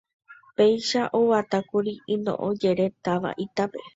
Péicha oguatákuri ynoʼõ jerére táva Itápe.